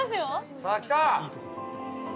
◆さあ、来たー。